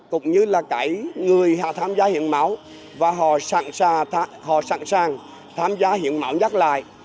cũng như là cái người tham gia hiến máu và họ sẵn sàng tham gia hiến máu nhắc lại